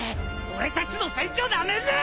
俺たちの船長なめんな！